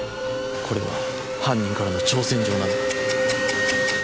これは犯人からの挑戦状なんだ。